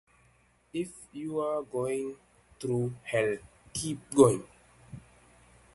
If you are going through hell, keep going.